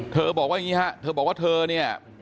บอกว่าอย่างนี้ฮะเธอบอกว่าเธอเนี่ย